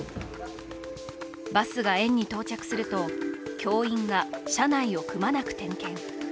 バスが園に到着すると、教員が社内をくまなく点検。